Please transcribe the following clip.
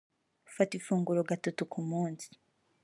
Fata ifunguro gatatu ku munsi